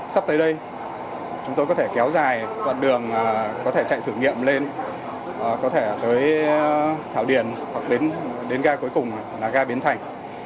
sắp tới đây chúng tôi có thể kéo dài đoạn đường có thể chạy thử nghiệm lên có thể tới thảo điền hoặc đến ga cuối cùng là ga biến thành